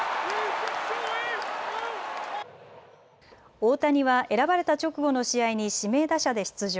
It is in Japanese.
大谷は選ばれた直後の試合に指名打者で出場。